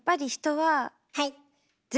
はい。